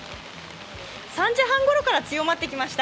３時半ごろから強まってきました。